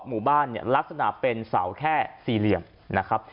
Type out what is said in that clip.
หมู่บ้านเนี่ยลักษณะเป็นเสาแค่สี่เหลี่ยมนะครับ